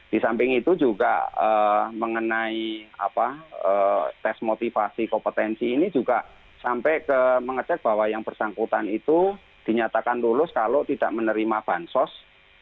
di samping itu juga mengenai tes motivasi kompetensi ini juga sampai ke mengecek bahwa yang bersangkutan itu dinyatakan lulus kalau tidak menerima bansos